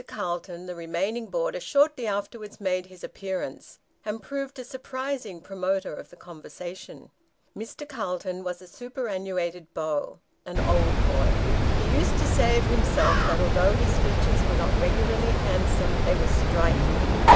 Calton, the remaining boarder, shortly afterwards made his appearance, and proved a surprising promoter of the conversation. Mr. Calton was a superannuated beau an old boy. He used to say of himself that although his features were not regularly handsome, they were striking.